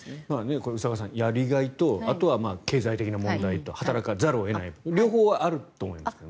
これ、宇佐川さんやりがいとあとは経済的な問題と働かざるを得ないと両方あると思いますが。